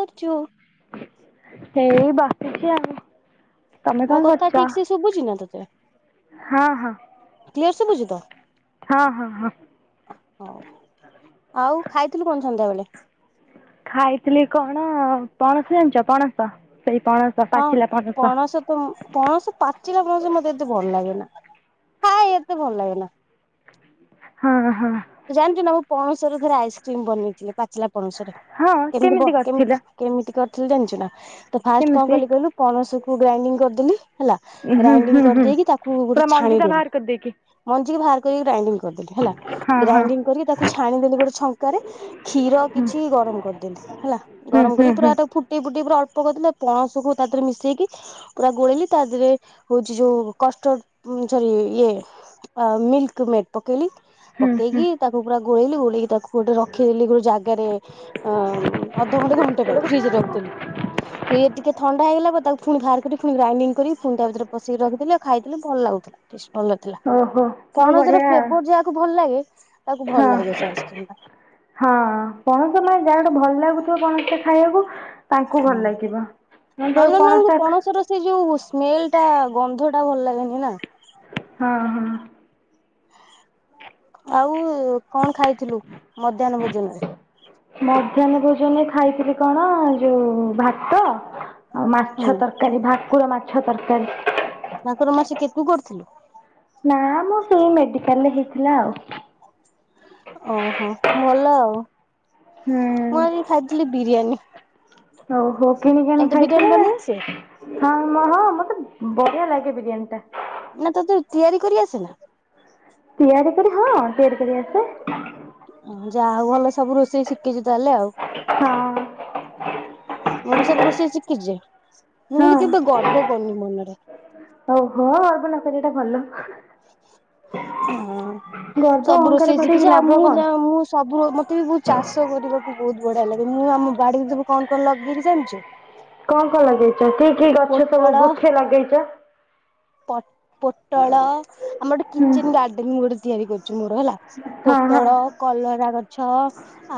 କରୁଚୁ। ହେଇ ବସିଚି ଆଉ। ତମେ ମୋ କଣ କଥା କରୁଚ ଠିକ ସେ ଶୁଭୁଛି ନା ହଁ -ହଁ। କ୍ଲିୟର୍ ସେ ବୁଝିଲ। ହଁ -ହଁ- ହଁ। ହଉ ଆଉ ଖାଇଥିଲୁ କଣ ସନ୍ଧ୍ୟାବେଳେ? ଖାଇଥିଲି କଣ ପଣସ ଜାଣିଚ ପଣସ ସେଇ ପଣସ ହଁ ପଣସ ତ ପଣସ ପାଚିଲା ପଣସ ମତେ ଏତେ ଭଲ ଲାଗେ ନା ଖାଏ ଏତେ ଭଲ ଲାଗେ ନା। ହଁ -ହଁ। ତୁ ଜାଣିଚୁ ନା ମୁଁ ପଣସରେ ଥରେ ଆଇସ୍କ୍ରିମ୍ ବନେଇଥିଲି ପାଚିଲା ପଣସରେ ହଁ କେମିତି କରିଥିଲ ବ-କେମିତି କେମିତି କରିଥିଲି ଜାଣିଚୁ ନା ତ ଫାଷ୍ଟ୍ କଣ କେମିତି? କଲି କହିଲୁ ପଣସ କୁ ଗ୍ରାଇଣ୍ଡିଙ୍ଗ୍ କରିଦେଲି ହେଲା ହୁଁ ହୁଁ ଗ୍ରାଇଣ୍ଡିଙ୍ଗ୍ ହୁଁ। କରିଦେଇକି ତାକୁ ପୁରା ଗୋଟେ ମଞ୍ଜି ଟା ଛାଣିଦେଲି। ବାହାର କରିଦେଇକି। ମଞ୍ଜି କି ବାହାର କରିକି ଗ୍ରାଇଣ୍ଡିଙ୍ଗ୍ କରିଦେଲି ହେଲା। ହଁ ହଁ। ଗ୍ରାଇଣ୍ଡିଙ୍ଗ୍ କରିକି ତାକୁ ଛାଣିଦେଲି ଗୋଟେ ଛଙ୍କାରେ କ୍ଷୀର କିଛି ଗରମ୍ କରିଦେଲି ହେଲା ହୁଁ ଗରମ୍ ହୁଁ କରିକି ହୁଁ। ପୁରା ଏଟାକୁ ଫୁ ଫୁଟେଇ ଫୁଟେଇ ପୁରା ଅଳ୍ପ କରିଦେଲା ପଣସକୁ ତାଦେରେ ମିଶେଇକି ପୁରା ଗୋଳେଇଲି ତାଦେହରେ ହଉଚି ଯଉ କଷ୍ଟଡ୍ ଉଁ- ସରି ଇଏ ଅ- ମିିଲ୍କ୍ ମେଡ୍ ପକେଇଲି ହୁଁ ହୁଁ। ପକେଇକି ତାକୁ ପୁରା ଗୋଳେଇଲି ଗୋଳେଇକି ତାକୁ ଗୋଟେ ରଖିଥିଲି ଗୋଟେ ଜାଗାରେ ଅ- ଅଧଘଣ୍ଟେ ଘଣ୍ଟେ ପାଇଁ ଫ୍ରିଜ୍ ରେ ରଖିଥିଲି। ସିଏ ଟିକେ ଥଣ୍ଡା ହେଇଗଲା ପରେ ତାକୁ ଫୁଣି ବାହାର କରି ପୁଣି ଗ୍ରାଇଣ୍ଡିଙ୍ଗ୍ କରି ପୁଣି ତା ଭିତରେ [unintelligible] ଖାଇଥିଲେ ଭଲ ଲାଗୁଥିଲା। ଟେଷ୍ଟ୍ ଭଲ ଥିଲା ଓହୋ ହଉ ପଣସର ବଢିଆ। ଫ୍ଲେବର୍ ଯାହାକୁ ଭଲ ଲାଗେ ତାକୁ ଭଲ ହଁ। ଲାଗିବ ସେ ଆଇସ୍କ୍ରିମ୍ ଟା। ହଁ ପଣସ [unintelligible] ଭଲ ଲାଗୁଥିବ ପଣସ ଖାଇବାକୁ ତାଙ୍କୁ ଭଲ ଲାଗିବ ମୁଁ ତ ହଁ ନନଙ୍କୁ ପଣସ ଖା ପଣସର ସେ ଯଉ ସ୍ମେଲ୍ ଟା ଗନ୍ଧ ଟା ଭଲ ଲାଗେନି ନା। ହଁ- ହଁ। ଆଉ କଣ ଖାଇଥିଲୁ ମଧ୍ୟାହ୍ନ ଭୋଜନରେ? ମଧ୍ୟାହ୍ନ ଭୋଜନରେ ଖାଇଥିଲି କଣ ଯଉ ଭାତ ଆଉ ହୁଁ। ମାଛ ତରକାରୀ ଭାକୁର ମାଛ ତରକାରୀ। ଭାକୁର ମାଛ କିଏ ତୁ କରିଥିଲୁ? ନା ମୁଁ ସେଇ ମେଡ଼ିକାଲ୍ ରେ ହେଇଥିଲା ଆଉ। ଓହୋ ଭଲ ଆଉ ମୁଁ ହୁଁ ଆଜି ଖାଇଥିଲି ବିରିୟାନୀ। ହଉ ହଉ କିଣିକି ଆଣିକି ତତେ ବିରିୟାନୀ ଖାଇଥିବେ? ବନେଇ ଆସେ ହଁ ମହଁ ମତେ ବଢିଆ ଲାଗେ ବିରିୟାନୀ ଟା। ନା ତତେ ତିଆରି କରି ଆସେନା? ତିଆରି କରି ହବ ତିଆରି କରି ଆସେ। ହଁ ଯା ହଉ ଭଲ ସବୁ ରୋଷେଇ ଶିଖିଚୁ ତାହେଲେ ଆଉ। ହଁ। ମୁଁ ବି ସବୁ ରୋଷେଇ ଶିଖିଚି ମୁଁ କିନ୍ତୁ କେବେ ଗର୍ବ କରୁନି ମନରେ। ଓ ହୋ ଅପଣଙ୍କର ଏଇଟା ଭଲ। ହଁ ଗର୍ବ ସବୁ ଅହଙ୍କାର ରୋଷେଇ କରିକି ଶିଖିଚି ଆଉ ଲାଭ ମୁଁ କଣ ଯା ମୁଁ ସବୁ ମତେ ବି ବହୁତୁ ଚାଷ କରିବାକୁ ବହୁତୁ ବଢିଆ ଲାଗେ ମୁଁ ଆମ ବାଡିରେ ସବୁ କଣ କଣ ଲଗେଇଚି ଜାଣିଚୁ? କଣ କଣ ଲଗେଇଚ କି କି ଗଛ ସବୁ ପୋଟଳ ବୃଖେ ଲଗେଇଚ? ପଟ ପୋଟଳ ଆମର ଗୋଟେ ହୁଁ କିଚେନେ ଗାର୍ଡେନେ ଗୋଟେ ତିଆରି କରୁଚୁ ମୋର ହେଲା। ହଁ ହଁ ପୋଟଳ କଲରା ଗଛ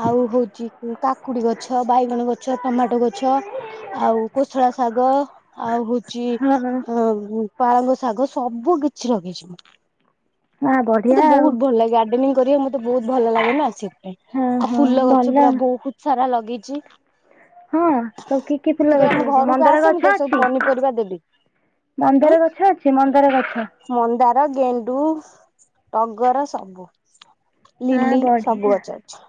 ଆଉ ହଉଚି କାକୁଡି ଗଛ ବାଇଗଣ ଗଛ ଟମାଟୋ ଗଛ। ଆଉ କୋଶଳା ଶାଗ ଆଉ ହଉଚି ହଁ ଅ ପାଳଙ୍ଗ ଶାଗ ସବୁ କିଛି ଲଗେଇଚି ମୁଁ। ହଁ ମତେ ବଢ଼ିଆ ଆଉ ବହୁତୁ ଭଲ ଲାଗେ ଗାର୍ଡେନିଂ କରିବାକୁ ମତେ ବହୁତୁ ଭଲ ଲାଗେ ନା ସେଥିପାଇଁ। ହଁ ଆଉ ହଁ ଫୁଲ ଗଛ ଭଲ ପୁରା ବହୁତୁ ସାରା ଲଗେଇଚି। ହଁ ସବୁ କି କି ଫୁଲ ତୁ କେବେ ଗଛ ଆମ ଲଗେଇଛ ଘରକୁ ମନ୍ଦାର ଆସେ ମୁଁ ଗଛ ତତେ ସବୁ ଅଛି ପନିପରିବା ଦେବି। ଉଁ ମନ୍ଦାର ଗଛ ଅଛି ମନ୍ଦାର ଗଛ? ମନ୍ଦାର ଗେଣ୍ଡୁ ଟଗର ସବୁ। ହଁ ଲିଲି ସବୁ ବଢିଆ ଗଛ ଅଛି।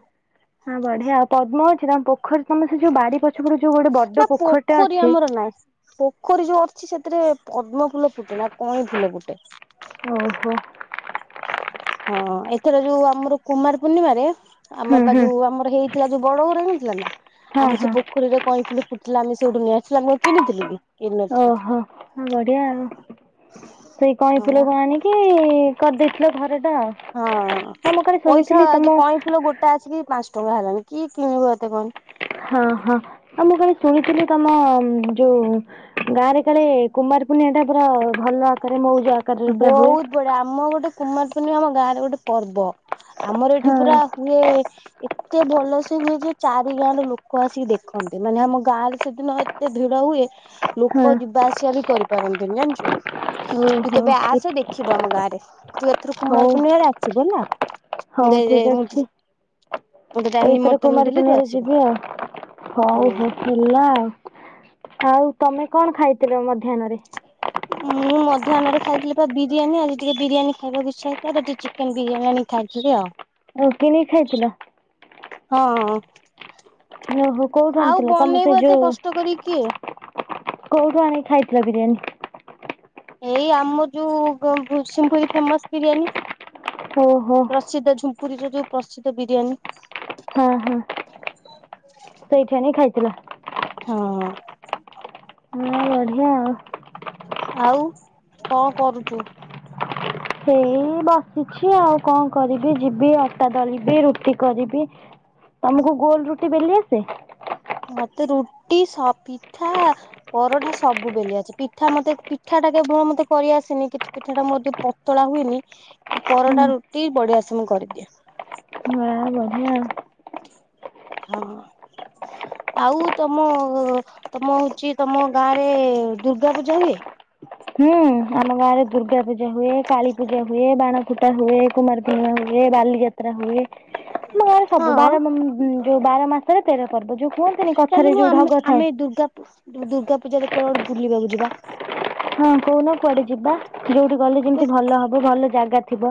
ହଁ ବଢିଆ ଆଉ ପଦ୍ମ ଅଛି ତମ ପୋଖରୀ ତମ ସେ ଯୋଉ ବାଡି ପ ଛ ପଟେ ଯୋଉ ବଡ ନା ପୋଖରୀଟା ପୋଖରୀ ଅଛି ଆମର ନାହିଁ। ପୋଖରୀ ଯୋଉ ଅଛି ସେଥିରେ ପଦ୍ମ ଫୁଲ ଫୁଟେନା କଇଁ ଫୁଲ ଫୁଟେ। ଓହୋ। ହଁ ଏଥର ଯୋଉ ଆମର କୁମାର ପୂର୍ଣିମାରେ ହୁଁ ଆମର ପା ହୁଁ ଯୋଉ ଆମର ହେଇଥିଲା ଯୋଉ ବଡ ଘର ହେଇଥିଲା ନା ହଁ ଆମ ସେ ହଁ ପୋ ପୋଖରୀରେ କଇଁ ଫୁଲ ଫୁଟିଥିଲା ଆମେ ସେଠୁ ନେଇଆସିଲୁ ଆଉ କିଣିଥିଲୁ କି? କିଣିନଥିଲୁ ଓହୋ ବଢିଆ ଆଉ ସେଇ କଇଁ ହଁ ଫୁଲ କୁ ଆଣି କି କରିଦେଇଥିଲ ଘର ଟା ଆଉ। ହଁ ହଁ ମୁଁ କାଳେ ପଇସା ଶୁଣିଥିଲି ଆଜି ତମ କଇଁ ଫୁଲ ଗୋଟା ଆସିକି ପାଞ୍ଚ ଟଙ୍କା ହେଲାଣି କିଏ କିଣିବ ଏତେ କହନି। ହଁ ହଁ ଆଉ ମୁଁ ଖାଲି ଶୁଣିଥିଲି ତମ ଯୋଉ ଗାଁ ରେ କାଳେ କୁମାର ପୁର୍ଣ୍ଣିଆ ଟା ପୁରା ଭଲ ଆକାରରେ ମଉଜ ଆକାରରେ ପୁରା ହୁଏ। ପଡ଼ା ଆମ ଗୋଟେ କୁମାର ପୂର୍ଣ୍ଣିମା ଆମ ଗାଁରେ ଗୋଟେ ପର୍ବ ଆମର ଏଠି ହଁ ପୁରା ହୁଏ ଏତେ ଭଲ ସେ ହୁଏ ଯେ ଚାରି ଗାଁର ଲୋକ ଆସିକି ଦେଖନ୍ତି ମାନେ ଆମ ଗାଁରେ ସେଦିନ ଏତେ ଭିଡ ହୁଏ। [unintelligible] କୋଇ ଯିବା ଆସିବା ବି କରିପାରନ୍ତିନି ଜାଣିଚୁ ତୁ ଓହୋ କେବେ ଆସେ ଦେଖିବୁ ଆମ ଗାଁରେ। ତୁ ଏଥର ହଉ କୁମାରପୂର୍ଣ୍ଣିମାରେ ଆସିବୁ ହେଲା। ହଉ ଠିକ ଅଛି ମୁଁ ତତେ ଏଇଥର ନିମନ୍ତ୍ରଣ କୁମାର ଦେଲି ତୁ ପୂର୍ଣ୍ଣିମାରେ ଆସିବୁ ଯିବି ଆଉ। ହଉ ହୁଁ। ହେ ହେଲା ଆଉ ଆଉ ତମେ କଣ ଖାଇଥିଲ ମଧ୍ୟାହ୍ନରେ? ମୁଁ ମଧ୍ୟାହ୍ନରେ ଖାଇଥିଲିପା ବିରିୟାନୀ ଆଜି ଟିକେ ବିରିୟାନୀ ଖାଇବାକୁ ଇଚ୍ଛା ହେଇଥିଲା ତ ଟିକେ ଚିକେନ ବିରିୟାନୀ ଆଣି ଖାଇଥିଲି ଆଉ। ଆଉ କିଣିକି ଖାଇଥିଲ? ହଁ। ଓହୋ କୋଉଠୁ ଆଉ ଆଣିଥିଲ ତମ ସେଇ ବନେଇବ ଏତେ ଯୋଉ? କଷ୍ଟ କରି କିଏ? କୋଉଠୁ ଆଣି ଖାଇଥିଲ ବିରିୟାନୀ? ଏଇ ଆମ ଯୋଉ ଗମ୍ପୁସିଂପୁର ଫେମସ୍ ବିରିୟାନୀ। ଓହୋ। ପ୍ରସିଦ୍ଧ ଝୁମ୍ପୁରୀର ଯୋଉ ପ୍ରସିଦ୍ଧ ବିରିୟାନୀ। ହଁ ହଁ ସେଇଠି ଆଣି ଖାଇଥିଲ। ହଁ। ହଁ ବଢ଼ିଆ ଆଉ। ଆଉ କଣ କରୁଛୁ? ସେଇ ବସିଛି ଆଉ କଣ କରିବି ଯିବି ଆ ଅଟା ଦଳିବି ରୁଟି କରିବି ତମକୁ ଗୋଲ ରୁଟି ବେଲି ଆସେ? ମତେ ରୁଟି ସା ପିଠା ପରଟା ସବୁ ବେଲି ଅସେ ପିଠା ମତେ ପିଠା ଟା କେବଳ ମତେ କରିଆସେନି କିଛି ପିଠା ଟା ମଧ୍ୟ ପତଳା ହୁଏନି ହୁଁ ପରଟା ରୁଟି ବଢ଼ିଆସେ ମୁଁ କରିଦିଏ। ହଁ ବଢ଼ିଆ। ହଁ। ଆଉ ତମ ତମ ହଉଛି ତମ ଗାଁ ରେ ଦୁର୍ଗା ପୂଜା ହୁଏ? ହୁଁ ଆମ ଗାଁରେ ଦୁର୍ଗା ପୂଜା ହୁଏ କାଳୀ ପୂଜା ହୁଏ ବାଣ ଫୁଟା ହୁଏ କୁମାରପୂର୍ଣ୍ଣିମା ହୁଏ ବାଲିଯାତ୍ରା ଯାତ୍ରା ହୁଏ ମାନେ ସବୁ ହଁ। ବାର ଯୋଉ ବାର ମାସରେ ତେର ପର୍ବ ଯୋଉ କୁହନ୍ତିନି କଥାରେ ଚାଲୁନୁ ଯୋଉ ଆମେ ଢଗ ଥାଏ। ଆମେ ଦୁର୍ଗା ଦୁର୍ଗା ପୂଜାରେ କୁଆଡ଼େ ବୁଲିବାକୁ ଯିବା। ହଁ କହୁନ କୁଆଡ଼େ ଯିବା ଯୋଉଠି ଗଲେ ଯେମିତି ଭଲ ହବ ଭଲ ଜାଗା ଥିବ।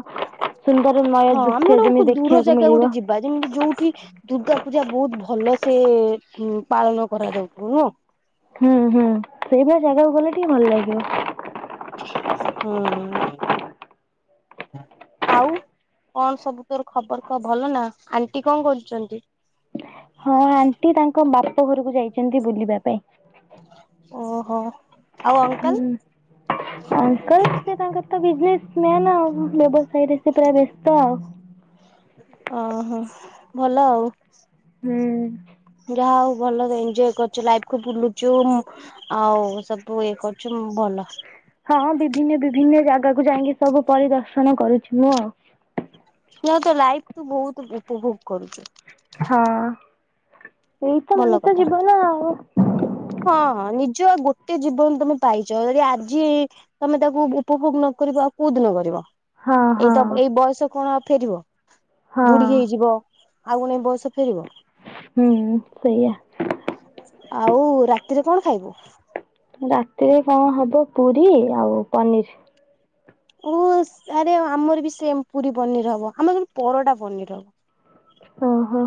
ସୁନ୍ଦର ନୂଆ ହଁ ଆମେ ଦୃଶ୍ୟ ଗୋଟେ ଯେମିତି ଦୂର ଦେଖିବାକୁ ଜାଗା ଗୋଟେ ମିଳିବ। ଯିବା ଯୋଉଠି ଦୁର୍ଗା ପୂଜା ବହୁତ ଭଲସେ ପାଳନ କରାଯାଉଥିବ ନୁହଁ। ହୁଁ ହୁଁ ସେଇଭଳିଆ ଜାଗାକୁ ଗଲେ ଟିକେ ଭଲ ଲାଗିବ। ହୁଁ ଆଉ। କଣ ସବୁ ତୋର ଖବର କାହ ଭଲ ନା ଆଣ୍ଟି କଣ କରୁଛନ୍ତି? ହଁ ଆଣ୍ଟି ତାଙ୍କ ବାପ ଘରକୁ ଯାଇଛନ୍ତି ବୁଲିବା ପାଇଁ। ଓହୋ। ଆଉ ଅଙ୍କଲ ହୁଁ। ଆଙ୍କଲ୍ ସେ ତାଙ୍କର ତ ବିଜନେସ୍ ମାନ୍ ବ୍ୟବସାୟରେ ସେ ପୁରା ବ୍ୟସ୍ତ। ଓହୋ ଭଲ ଆଉ। ହୁଁ। ଯାହା ହଉ ଭଲ ଏଞଜୟ କରୁଚୁ ଲାଇଫ୍ କୁ ବୁଲୁଚୁ। ଆଉ ସବୁ ଇଏ କରୁଚୁ ଭଲ। ହଁ ବିଭିନ୍ନ ବିଭିନ୍ନ ଜାଗାକୁ ଯାଇକି ସବୁ ପରିଦର୍ଶନ କରୁଛି ମୁଁ ଆଉ। ତୁ ଆଉ ତ ଲାଇଫ୍ ତୁ ବହୁତ ଉପଭୋଗ କରୁଚୁ। ହଁ ଏଇତ ଭଲ ମଣିଷ କଥା। ଜୀବନ। ହଁ ହଁ ନିଜ ଗୋଟେ ଜୀବନ ତମେ ପାଇଛ ଯଦି ଆଜି ତମେ ତାକୁ ଉପଭୋଗ ନ କରିବ ଆଉ କଉ ଦିନ କରିବ ହଁ ହଁ ଏଇଟା ଏଇ ବୟସ କଣ ଆଉ ଫେରିବ? ହଁ ବୁଢ଼ୀ ହେଇଯିବ ଆଉ କଣ ଏ ବୟସ ଫେରିବ? ହୁଁ ସେଇଆ। ଆଉ ରାତିରେ କଣ ଖାଇବୁ? ରାତିରେ କଣ ହବ ପୁରୀ ଆଉ ପନିର। ଓ ଆରେ ଆମର ବି ସେମ୍ ପୁରୀ ପନିର ହବ ଆମର କିନ୍ତୁ ପରଟା ପନିର ହବ। ଓହୋ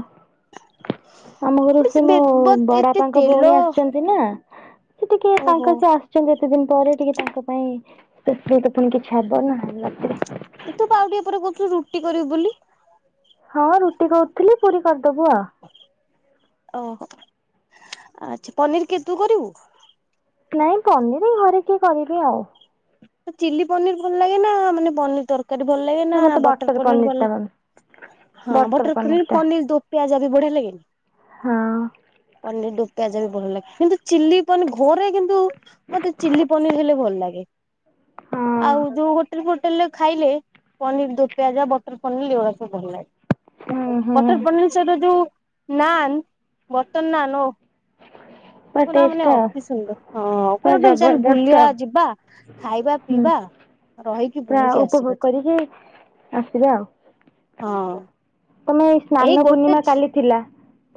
ଆମ ଘରୁ ସେ ମୋ ହବ ବଟ ଏତେ ବଡପାଙ୍କ ତେଲ ଭଉଣୀ ଆସିଛନ୍ତି। ନା ସେ ଟିକେ ଓହୋ ତାଙ୍କ ସେ ଆସ। ଆ ଏତେ ଦିନ ପରେ ଟିକେ ତାଙ୍କ ପାଇ ଫୁଣି କିଛି ହବ ନା। [unintelligible] ତୁ ପା ଆଉଟିକେ ପରେ କହୁଥିଲୁ ରୁଟି କରିବୁ ବୋଲି। ହଁ ରୁଟି କହୁଥିଲି ପୁରୀ କରିଦବୁ ଆଉ। ଓହୋ ଆଛା ପନିର କିଏ ତୁ କରିବୁ। ନାଇଁ ପନିର ଘରେ କିଏ କରିବି ଆଉ। ତ ଚିଲି ପନିର ଭଲ ଲାଗେ ନା ମାନେ ପନିର ତରକାରୀ। ତରକାରୀ ଭଲ ଲାଗେ ନା ମତେ ବଟର ପନିରି ପନିର ଭଲ ଟା ମାମ ଲ ହଁ ବଟର ପନିର ପନରି ଟା ପୁଣି ବଟର। ପିଆଜ ବି ବଢିଆ ଲଗେ। ହଁ ପନିର ପିଆଜ ବି ଭଲ ଲାଗେ କିନ୍ତୁ ଚିଲି ପନି ଘରେ। କିନ୍ତୁ ମତେ ଚିଲି ପନିର ହେଲେ ଭଲ ଲାଗେ। ଆଉ ହଁ ଯୋଉ ହୋଟେଲ ଫୋଟେଲେରେ ଖାଇଲେ। ପନିର ଦୋ ପିଆଜ ବଟର ପନିର ଭଲ ଲାଗେ। ହୁଁ ହୁଁ ବଟର ପନିର ସହିତ ଯୋଉ ନାନ୍ ବର୍ତନ ନାନ୍ ଓ। ପୁରା ପୁଲା ଟେଷ୍ଟ ମାନେ ଆଉ ଅତି ସୁନ୍ଦର ହଁ ପୁରା କୋଣ ଠୁ ଚାଲ ଜବରଦସ୍ତ ଆଉ ବୁଲିବାକୁ ଯିବା। ଖାଇବା ହୁଁ ପିଇବା ରହିକି ପୁରା ବୁଲିକି ଉପଭୋଗ ଆସିବା। କରିକି ଆସିବା ଆଉ ହଁ ତମେ ଏଇ ସ୍ନାନ ଗୋଟେ ପୂର୍ଣ୍ଣିମା କାଲି ଥିଲା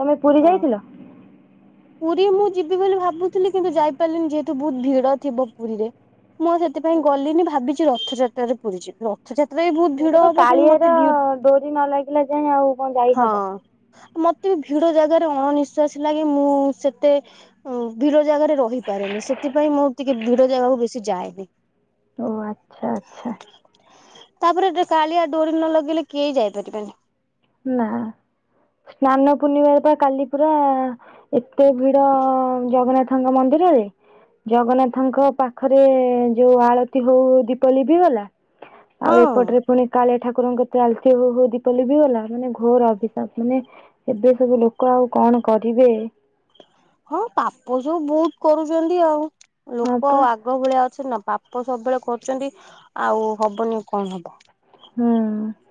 ତମେ ପୁରୀ ହଁ ଯାଇଥିଲ। ପୁରୀ ମୁଁ ଯିବି ବୋଲି ଭାବୁଥିଲି କିନ୍ତୁ ଯାଇପାରିଲିନି ଯେହେତୁ ବହୁତ ଭିଡ ଥିବ ପୁରୀରେ। ମୁଁ ଆ ସେଥିପାଇଁ ଗଲିନି ଭାବିଛି ରଥଯାତ୍ରାରେ ପୁରୀ ଯିବି ରଥଯାତ୍ରା ବି ବହୁତ। ଭିଡ ହବ କିନ୍ତୁ ମତେ କାଳିଆର ଭି ହଁ ଡୋରି ନ ଲାଗିଲା ଯାଇଏଁ ଆଉ କଣ ଯାଇହବ। ମତେ ବି ଭିଡ ଜାଗାରେ ଅଣନିଶ୍ଵାସ ଲାଗେ ମୁଁ ସେତେ। ଉ ଭିଡ ଜାଗାରେ ରହିପାରେନି ସେଥିପାଇଁ ମୁଁ ଟିକେ ଭିଡ ଜାଗାକୁ ବେଶି ଯାଏନି। ଆଛା। ତାପରେ ଏ କାଳିଆ ଡୋରି ନ ଲଗେଇଲେ କେହି ଯାଇପାରିବେନି। ନା ସ୍ନାନ ପୂର୍ଣ୍ଣିମାରେ ପା କାଲି ପରା। ଏତେ ଭିଡ ଜଗନ୍ନାଥଙ୍କ ମନ୍ଦିରରେ। ଜଗନ୍ନାଥଙ୍କ ପାଖରେ ଯୋଉ ଆଳତି ହଉଉ ଦୀପ ଲିଭିଗଲା। ଆଉ ହଁ ଏପଟରେ ପୁଣି କାଳିଆ ଠାକୁରଙ୍କ କତିରେ ଆଳତି ହଉ ହଉ ଦୀପ ଲିଭିଗଲା। ମାନେ ଘୋର ଅବିଶ୍ୱାସ ମାନେ ଏବେ ସବୁ ଲୋକ ଆଉ କଣ କରିବେ। ହଁ ପାପ ଯୋଉ ବହୁତ କରୁଛନ୍ତି ଆଉ ହଁ ଲୋକ ପା ଆଉ ଆଗ। ଆଗ ଭଳିଆ ଅଛନ୍ତି ନା ପାପ ସବୁବେଳେ କରୁଛନ୍ତି ଆଉ ହବନି କଣ ହବ। ହୁଁ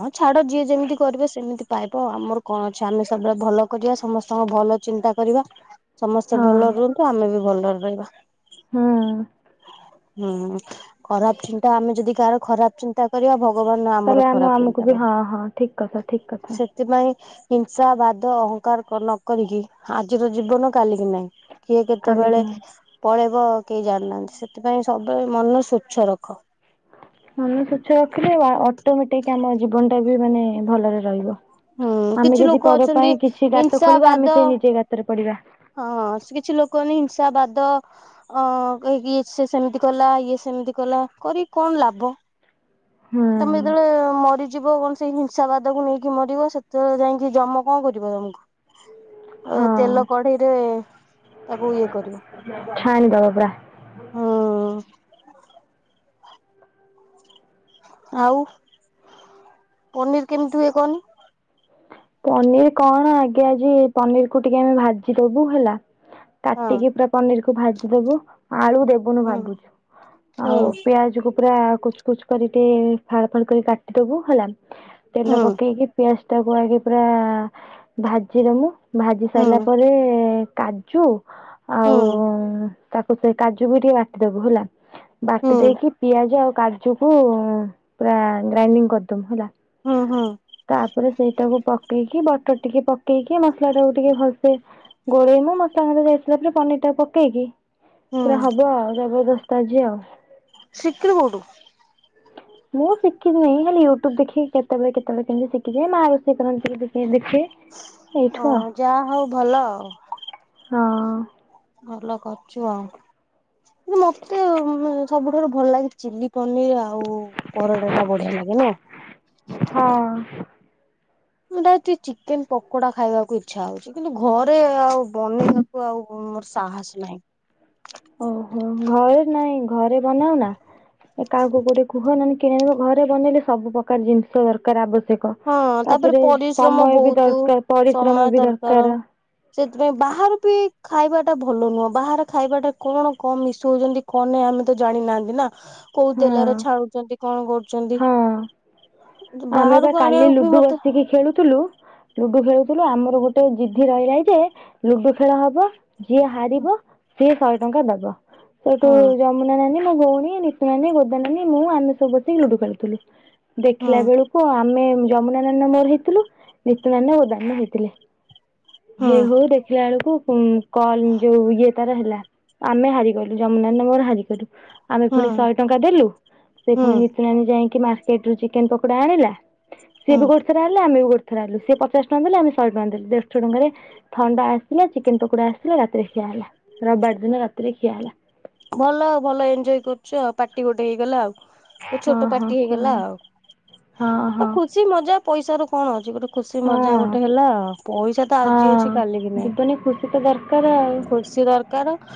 ହଁ ଛାଡ ଯିଏ ଯେମିତି କରିବେ ସେମିତି ପାଇବ ଆମର କଣ ଅଛି ଆମେ ସବୁବେଳେ ଭଲ କରିବା ସମସ୍ତଙ୍କ ଭଲ ଚିନ୍ତା। କରିବା ସମସ୍ତେ ହଁ ଭଲରେ ରୁହନ୍ତୁ ଆମେ ବି ଭଲରେ ରହିବା। ହଁ ହୁଁ ଖରାପ ଚିନ୍ତା ଆମେ ଯଦି କାହାର ଖରାପ ଚିନ୍ତା କରିବା ଭଗବାନ ତାହେଲେ ଆମର ଆମ ଖରାପ। ଆମକୁ ଚିନ୍ତା ବି ହଁ କରିବେ ହଁ ଠିକ୍ କଥା ଠିକ୍ କଥା। ସେଥିପାଇଁ ହିଂସା ବାଦ ଅହଂଙ୍କାର କ ନକରିକି ଆଜିର ଜୀବନ କାଲିକି ନାହିଁ। କିଏ କାଲିକି କେତେବେଳେ ପଳେଇବ କେହି ଜାଣିନାହାନ୍ତି ସେଥିପାଇଁ ସବୁବେଳେ ମନ ସ୍ଵଚ୍ଛ ରଖ। ମନ ସ୍ବଚ୍ଛ ରଖିଲେ ଅଟୋମେଟିକ ଆମ ଜୀବନ ଟା ବି ମାନେ ଭଲରେ ରହିବ। ହୁଁ ଆମେ କିଛି ଯଦି ଲୋକ ପର ଅଛନ୍ତି ପାଇଁ କିଛି ଗାତ ଖୋଳିବା ଆମେ ସେଇ ନିଜେ ଗାତରେ ପଡିବା। ହଁଁ ସକିଛି ଲୋକମାନେ ହିଂସା ବାଦ। ଅ କହିକି ସେ ସେମିତି କଲା ଇଏ ସେମିତି କଲା କରିକି କଣ ଲାଭ? ହୁଁ ତମେ ଯେତେବେଳେ ମରିଯି ଯିବ କଣ ସେଇ ହିଂସାବାଦକୁ ନେଇକି ମରିବ ସେତେବେଳେ ଯାଇକି ଯମ କଣ କରିବ ତମକୁ? ଏ ହଁ ତେଲ କଢେଇରେ ତାକୁ ଇଏ କରିବ। ଛାଣିଦବ ପୁରା। ହଁ। ଆଉ ପନିର୍ କେମିତି ହୁଏ କହନି? ପନିର କଣ ଆଗେ ଆଜି ପନିର କୁ ଟିକେ ଆମେ ଭାଜିଦବୁ ହେଲା। ହଁ କାଟିକି ପୁରା ପନିର୍ କୁ ଭାଜିଦବୁ ଆଳୁ ଦେବ୍ [unintelligible] ହୁଁ ଭାବୁଛୁ ଆଉ ହୁଁ ପିଆଜକୁ ପୁରା କୁଚ୍ କୁଚ୍ କରି ଟିଏ ଫାଳ ଫାଳ କରି କାଟିଦବୁ ହେଲା ତେଲ ପକେଇକି ପିଆଜ୍ ତା [unintelligible] ପୁରା ଭାଜିଦମୁ ଭାଜି ହୁଁ ସାରିଲା ପରେ କାଜୁ ହୁଁ ଆଉ ଉ ତାକୁ ସେ କାଜୁ ବି ଟିକେ ବାଟିଦବୁ ହେଲା। ହୁଁ ବାଟି ଦେଇକି ପିଆଜ ଆଉ କାଜୁକୁ ପୁରା ଗ୍ରାଇଡିଙ୍ଗ କରିଦବୁ ହେଲା। ହୁଁ ହୁଁ। ତାପରେ ସେଇଟାକୁ ପକେଇକି ବଟର ଟିକେ ପକେଇକି ମସଲା ଟାକୁ ଟିକେ ଭଲସେ ଗୋଳେଇମୁ ମସଲା [unintelligible] ଲେ ପନିର୍ ଟା ପକେଇକି ହୁଁ ପୁରା ହବ ଆଉ [unintelligible] ଆଜି ଆଉ। ଶିକିଲୁ କୋଠୁ? ମୁଁ ଶିଖି ନାହିଁ ଖାଲି ୟୁଟ୍ୟୁବ ଦେଖି କେତେବେଳେ କେତେବେଳେ କେମିତି ଶିଖିିଯାଏ ମା ବସି କରନ୍ତି ଦେ ଦେଖେ। ଓହ ଯାଆ ହଉ ଭଲ ଆଉ। ହଁ। ଭଲ କରୁଛୁ ଆଉ। କିନ୍ତୁ ମତେ ସବୁଠାରୁ ଭଲ ଲାଗେ ଚିଲି ପନିର ଆଉ। ପରଟା ଟା ବଢିଆ ଲାଗେ ନୁହ୍ନ। ହଁ ହଁ। [unintelligible] ଚିକେନ ପକୋଡା ଖାଇବାକୁ ଇଛା ହଉଛି। କିନ୍ତୁ ଘରେ ଆଉ ବନେଇବାକୁ ଆଉ ମୋ ମୋର ସାହସ ନାହିଁ। ଓହୋ ଘରେ ନାଇଁ ଘରେ ବନାଅ ନା। କାହାକୁ ଗୋଟେ କୁହ ନହେ କି [unintelligible] ଘରେ ବନେଇଲେ ସବୁ ପ୍ରକାର ଜିନିଷ ଦରକାର ଆବଶ୍ୟ- ହଁ ତାପରେ ପରିଶ୍ରମ ସମୟ ବି ବହୁତ ଦରକାର ପରିଶ୍ରମ ବି ଦରକାର। ସେଥିପାଇଁ ବାହହାର ବି ଖାଇବାଟା ଭଲ ନୁହଁ। ବାହାରେ ଖାଇବାଟା କଣ କମ ମିସ ହଉଛନ୍ତି। କନ ନାଇଁ ଆମେ ତ ଜାଣିନାହାନ୍ତି ନା। କୋଉ ହଁ ତେଲରେ ଛାଣୁଛନ୍ତି କଣ କରୁଛନ୍ତି। ହଁ। ଆମେ ବାହାର ବା କାଲି ଲୁଡୁ ବସିକି ଖେଳୁଥିଲୁ। ଲୁଡୁ ଖେଳୁଥିଲୁ ଆମର ଗୋଟେ ଜିଦ୍ଧି ରହିଲା ଯେ ଲୁଡୁ ଖେଳ ହବ ଯିଏ ହାରିବ ସିଏ ଶହେ ଟଙ୍କା ଦବ ସେଠୁ ହୁଁ। ଯମୁନା ନାନୀ ମୋ ଭଉଣୀ ମିଶି ଗୋଦାନନାନୀ ବୋଦାନାନୀ ମୁଁ ଆମେ ସବୁ ବସିକି ଲୁଡୁ ଖେଳୁଥିଲୁ। ହଁ ଦେଖିଲା ବେଳକୁ କୁ ଆମେ ଯମୁନା ନାନା ମୋର ହେଇଥିଲୁ ନିତୁନାନ ଓଦାନ ହେଇଥିଲେ। ହଁ ହେଇ ହଉ ଦେଖିଲା ବେଳକୁ ହୁଁ କ ଯୋଉ ଇଏ ତାର ହେଲା ଆମେ ହାରି ଗଲୁ ଯମୁନା ନାର ମୋର ହାରି ଗଲୁ। ଆମେ ପୁଣି ହଁ ଶହେ ଟଙ୍କା ଦେଲୁ ସେ ହଁ ପୁଣି ନିତିନାନୀ ଯାଇକି ମାର୍କେଟରୁ ଚିକେନ ପକୋଡା ଆଣିଲା। ସିଏ ବି ହଁ ଗୋଟେ ଥର ଆଣିଲା। ଆମ ବି ଗୋଟେ ଥର ଆଣିଲୁ ସିଏ ପଚାଶ ଟଙ୍କା ଦେଲେଆମେ ଶହେ ଟଙ୍କା ଦେଲୁ ଦେଢଶହ ଟଙ୍କାରେ ଥଣ୍ଡା ଆସିଲା ଚିକେନ ପକୋଡା ଆସିଲା ରାତିରେ ଖିଆ ହେଲା। ରବିବାର ଦିନ ରାତିରେ ଖିଆ ହେଲା। ଭଲ ଆଉ ଭଲ ଏଞଜୟ କରୁଛ ଆଉ ପାର୍ଟି ଗୋଟେ ହେଇଗଲା ଆଉ। ହଁ ଛୋଟ ହଁ ପାର୍ଟି ହେଇଗଲା କୁହନା ଆଉ। ହଁ ଆଉ ହଁ ଖୁସି ମଜାକ ପଇସା ର କଣ ଅଛି ଗୋଟେ ଖୁସି ମଜା ହଁ। ଗୋଟେ ହେଲା। ପଇସା ତ ଆଜି ହଁ ଅଛି କାଲି କି ନାଇଁ। ଜୀବନରେ ଖୁସି ତ ଦରକାର ଆଉ। ଖୁର୍ସି ଦରକାର।